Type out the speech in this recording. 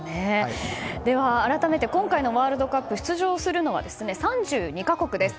では、改めて今回のワールドカップ出場するのは３２か国です。